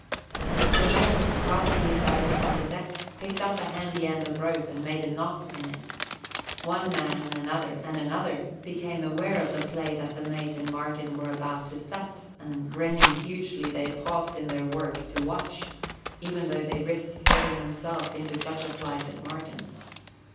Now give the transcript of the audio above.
The mate, casting his eyes about the deck, picked up a handy end of rope and made a knot in it. One man and another and another became aware of the play that the mate and Martin were about to set and, grinning hugely, they paused in their work to watch, even though they risked getting themselves into such a plight as Martin's.